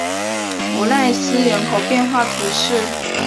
弗赖斯人口变化图示